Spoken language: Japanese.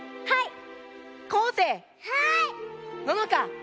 はい。